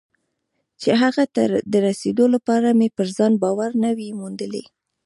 چې هغه ته د رسېدو لپاره مې پر ځان باور نه وي موندلی.